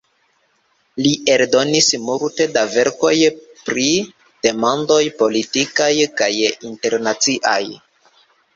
Li eldonis multe da verkoj pri demandoj politikaj kaj internaciaj.